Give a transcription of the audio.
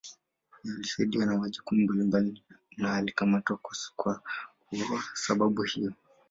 Yeye alisaidia na majukumu mbalimbali na alikamatwa kuwa sababu hiyo.